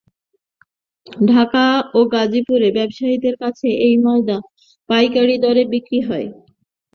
ঢাকা ও গাজীপুরের ব্যবসায়ীদের কাছে এই ময়দা পাইকারি দরে বিক্রি হয়।